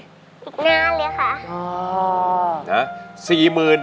อีกนานเลยค่ะ